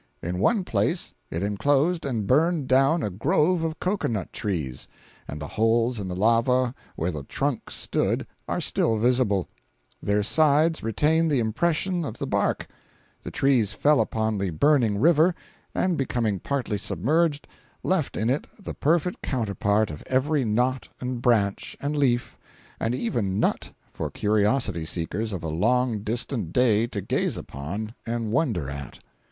In one place it enclosed and burned down a grove of cocoa nut trees, and the holes in the lava where the trunks stood are still visible; their sides retain the impression of the bark; the trees fell upon the burning river, and becoming partly submerged, left in it the perfect counterpart of every knot and branch and leaf, and even nut, for curiosity seekers of a long distant day to gaze upon and wonder at.